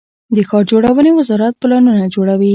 د ښار جوړونې وزارت پلانونه جوړوي